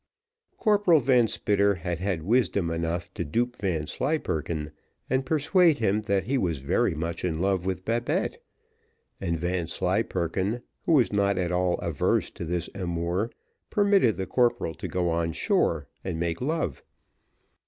Corporal Van Spitter had had wisdom enough to dupe Vanslyperken, and persuade him that he was very much in love with Babette; and Vanslyperken, who was not at all averse to this amour, permitted the corporal to go on shore and make love.